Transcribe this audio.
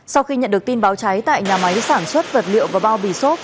sau khi nhận được tin báo cháy tại nhà máy sản xuất vật liệu và bao bì xốp